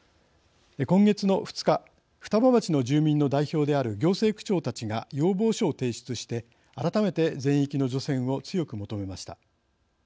今月の２日双葉町の住民の代表である行政区長たちが要望書を提出して改めて全域の除染を強く求めました。